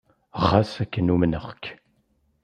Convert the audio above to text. Xas akken, umneɣ-k.